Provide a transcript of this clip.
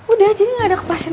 udah jadi gak ada kepastian